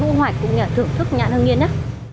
cũng là thưởng thức nhãn hương nghiên nhé